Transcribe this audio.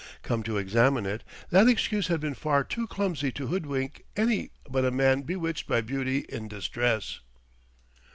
Come to examine it, that excuse had been far too clumsy to hoodwink any but a man bewitched by beauty in distress.